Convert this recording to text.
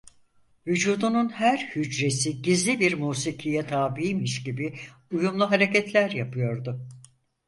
Vücudunun her hücresi gizli bir mûsikîye tâbiymiş gibi uyumlu hareketler yapıyordu.